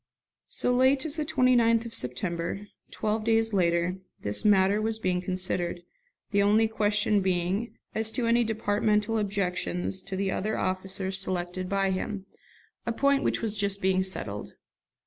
So late as the 29th of September, twelve days later, this matter was being considered, the only question being as to any departmental objections to the other officers selected by him, a point which was just being settled.